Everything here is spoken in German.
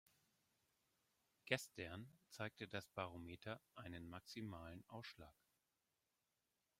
Gestern zeigte das Barometer einen maximalen Ausschlag.